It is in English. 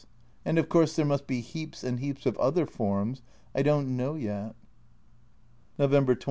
And of course there must be heaps and heaps of other forms I don't know yet. November 27.